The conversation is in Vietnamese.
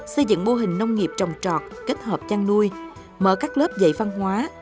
xây dựng mô hình nông nghiệp trồng trọt kết hợp chăn nuôi mở các lớp dạy văn hóa